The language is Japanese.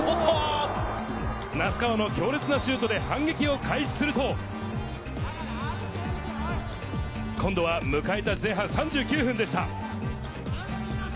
ポス名須川の強烈なシュートで反撃を開始すると、今度は迎えた前半３９分でした。